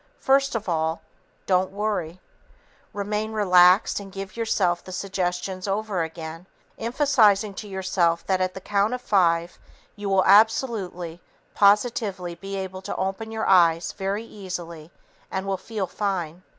First of all, DON'T WORRY. Remain relaxed and give yourself the suggestions over again, emphasizing to yourself that at the count of five you will absolutely, positively be able to open your eyes very easily and will feel fine.